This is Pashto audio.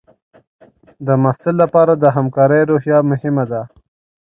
د محصل لپاره د همکارۍ روحیه مهمه ده.